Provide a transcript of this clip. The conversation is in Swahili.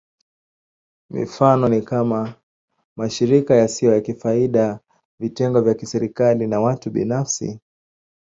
Mifano ni kama: mashirika yasiyo ya faida, vitengo vya kiserikali, na watu binafsi.